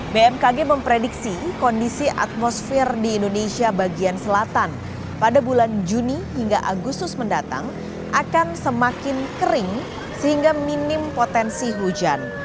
bmkg memprediksi kondisi atmosfer di indonesia bagian selatan pada bulan juni hingga agustus mendatang akan semakin kering sehingga minim potensi hujan